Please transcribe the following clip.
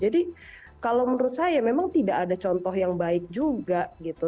jadi kalau menurut saya memang tidak ada contoh yang baik juga gitu